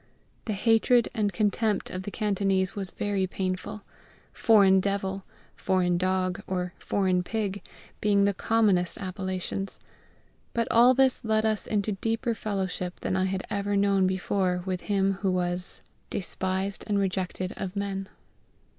The hatred and contempt of the Cantonese was very painful, "foreign devil," "foreign dog," or "foreign pig" being the commonest appellations; but all this led us into deeper fellowship than I had ever known before with Him who was "despised and rejected of men."